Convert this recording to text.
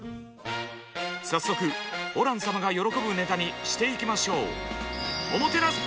早速ホラン様が喜ぶネタにしていきましょう！